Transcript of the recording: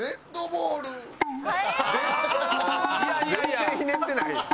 「全然ひねってないやん」